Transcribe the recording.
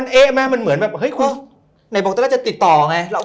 นี่พวกเจ้าก็จะติดต่อแหละ